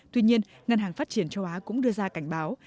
tuy nhiên ngân hàng phát triển châu á cũng đưa ra cảnh báo